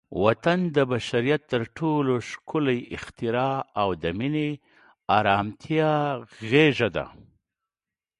وطن د بشریت تر ټولو ښکلی اختراع او د مینې، ارامتیا غېږه ده.